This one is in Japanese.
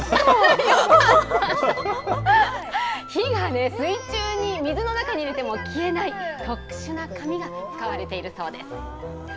火がね、水中に、水の中に入れても消えない特殊な紙が使われているそうです。